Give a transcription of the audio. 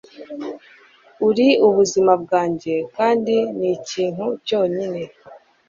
Uri ubuzima bwanjye kandi nikintu cyonyine